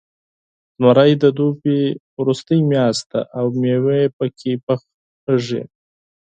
زمری د دوبي وروستۍ میاشت ده، او میوې پکې پاخه کېږي.